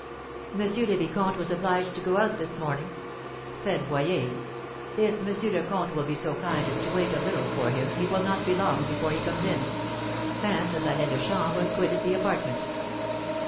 "M. le Vicomte was obliged to go out this morning," said Boyer. "If M. le Comte will be so kind as to wait a little for him, he will not be long before he comes in." And the valet de chambre quitted the apartment.